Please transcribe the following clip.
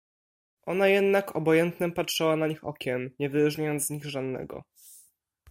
"Ona jednak obojętnem patrzała na nich okiem, nie wyróżniając z nich żadnego."